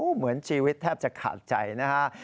เหมือนชีวิตแทบจะขาดใจนะฮะ